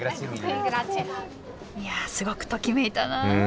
いやあすごくときめいたなあ。